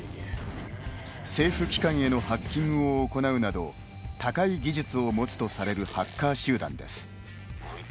政府機関へのハッキングを行うなど高い技術を持つとされるハッカー集団です。